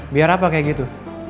biar apa kayak gitu